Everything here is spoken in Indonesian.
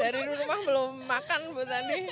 dari rumah belum makan bu tadi